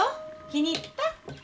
気に入った？